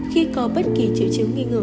khi có bất kỳ chữ chứng nghi ngừa